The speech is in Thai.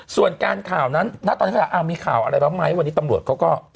ส่วนการข่าวนั้นณตอนนี้เขาถามมีข่าวอะไรบ้างไหมวันนี้ตำรวจเขาก็